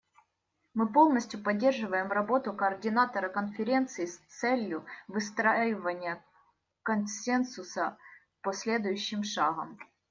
Мы полностью поддерживаем работу координатора конференции с целью выстраивания консенсуса по следующим шагам.